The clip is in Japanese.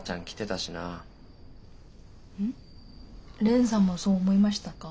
蓮さんもそう思いましたか？